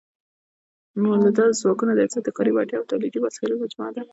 مؤلده ځواکونه د انسان د کاري وړتیا او تولیدي وسایلو مجموعه ده.